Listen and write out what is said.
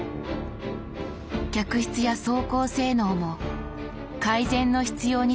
客室や走行性能も改善の必要に迫られていました。